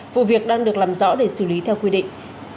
vụ việc đang được làm rõ để xử lý theo quy định